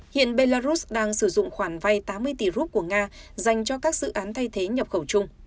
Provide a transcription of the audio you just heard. hiện belarus đang sử dụng khoản vay tám mươi tỷ rút của nga dành cho các dự án thay thế nhập khẩu chung